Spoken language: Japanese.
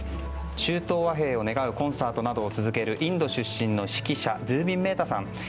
中東和平を願うコンサートなどを続けるインド出身の指揮者ズービン・メータさん。